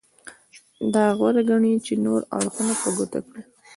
دا غوره ګڼي چې نور اړخونه په ګوته کړي.